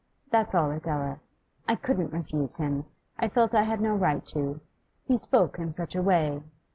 That's all, Adela. I couldn't refuse him; I felt I had no right to; he spoke in such a way.